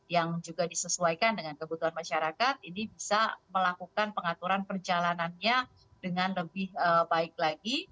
yang juga disesuaikan dengan kebutuhan masyarakat ini bisa melakukan pengaturan perjalanannya dengan lebih baik lagi